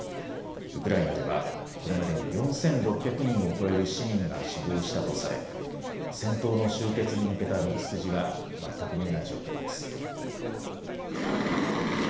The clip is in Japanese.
ウクライナではこれまでに４６００人を超える市民が死亡したとされ戦闘の終結に向けた道筋は全く見えない状況です。